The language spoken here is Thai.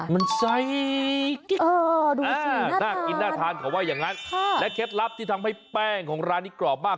มันไซส์น่ากินน่าทานเขาว่าอย่างนั้นและเคล็ดลับที่ทำให้แป้งของร้านนี้กรอบมาก